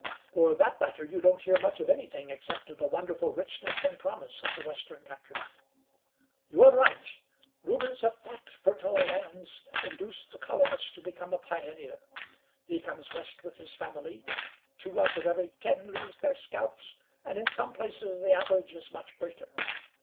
"For that matter, you don't hear much of anything, except of the wonderful richness and promise of the western country." "You're right. Rumors of fat, fertile lands induce the colonist to become a pioneer. He comes west with his family; two out of every ten lose their scalps, and in some places the average is much greater.